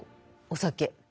お酒。